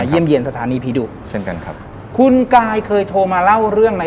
เยี่ยมสถานีผีดุเช่นกันครับคุณกายเคยโทรมาเล่าเรื่องใน